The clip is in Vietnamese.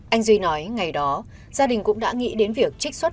anh duy nói ngày đó gia đình cũng đã nghĩ đến việc trích xuất